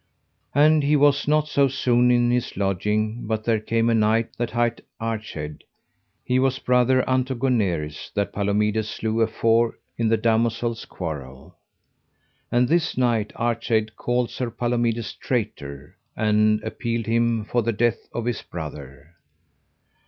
And he was not so soon in his lodging but there came a knight that hight Archade, he was brother unto Goneries that Palomides slew afore in the damosel's quarrel. And this knight, Archade, called Sir Palomides traitor, and appealed him for the death of his brother.